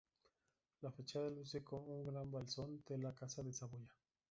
La fachada luce un gran blasón de la Casa de Saboya.